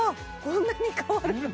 こんなに変わるの？